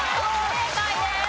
正解です！